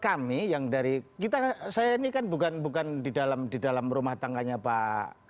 kami yang dari kita saya ini kan bukan di dalam rumah tangganya pak